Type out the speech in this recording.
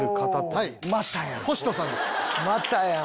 またやん！